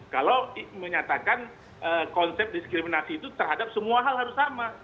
kalau menyatakan konsep diskriminasi itu terhadap semua hal harus sama